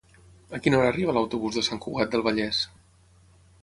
A quina hora arriba l'autobús de Sant Cugat del Vallès?